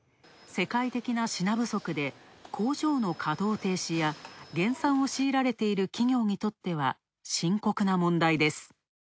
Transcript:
世界的な品不足で工場の稼働停止や減産をしいられている企業にとっては、深刻な問題です。